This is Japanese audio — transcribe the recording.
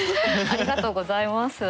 ありがとうございます。